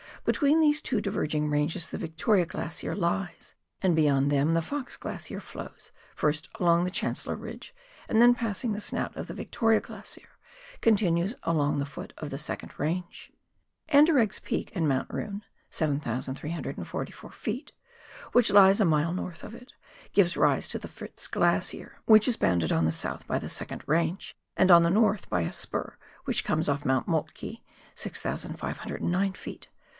Between these two diverging ranges the Victoria Glacier lies, and bej^ond them the Fox Glacier flows, first along the Chancellor ridge, and then passing the snout of the Victoria Glacier, continues along the foot of the second range. Anderegg's Peak and Mount Roon (7,344 ft.), which lies a mile north of it, give rise to the Fritz Glacier, which is bounded on the south by the second range, and on the north by a spur which comes off Mount Moltke (6,509 ft.)